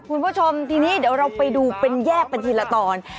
คุณผู้ชมจะไปดูเป็นแยกบันทิศละตอน